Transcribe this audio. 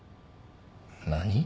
何？